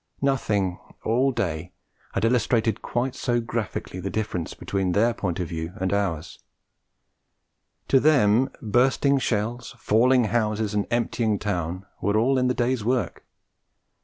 Nothing all day had illustrated quite so graphically the difference between their point of view and ours; to them bursting shells, falling houses, and emptying town were all in the day's work.